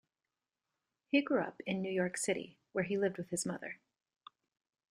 He grew up in New York City where he lived with his mother.